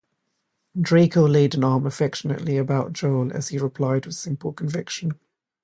Draco laid an arm affectionately about Joel as he replied with simple conviction.